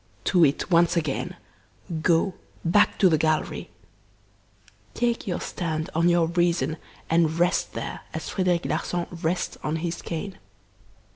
"To it, once again! Go back to the gallery. Take your stand on your reason and rest there as Frederic Larsan rests on his cane.